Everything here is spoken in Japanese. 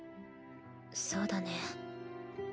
そうだね。